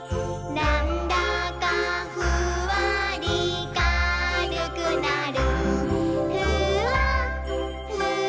「なんだかフワリかるくなる」